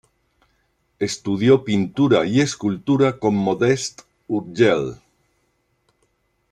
Estudió pintura y escultura con Modest Urgell.